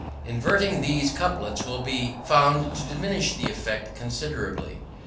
Inverting these couplets will be found to diminish the effect considerably.